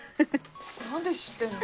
何で知ってんの？